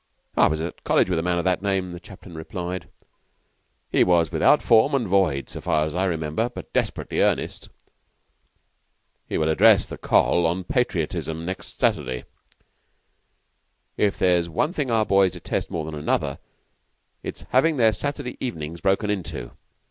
"I was at College with a man of that name," the chaplain replied. "He was without form and void, so far as I remember, but desperately earnest." "He will address the Coll. on 'Patriotism' next Saturday." "If there is one thing our boys detest more than another it is having their Saturday evenings broken into.